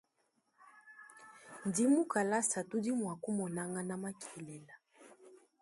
Indi mu kalasa tudi muakumunangana makelela.